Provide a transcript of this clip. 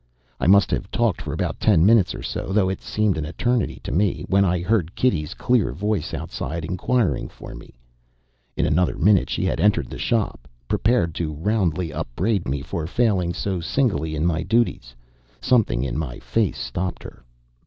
I must have talked for about ten minutes or so, though it seemed an eternity to me, when I heard Kitty's clear voice outside inquiring for me. In another minute she had entered the shop, prepared to roundly upbraid me for failing so signally in my duties. Something in my face stopped her.